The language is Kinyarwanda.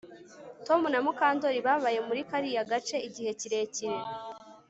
Tom na Mukandoli babaye muri kariya gace igihe kirekire